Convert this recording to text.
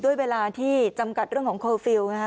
ด้วยเวลาที่จำกัดเรื่องของควอลฟิลล์นะฮะ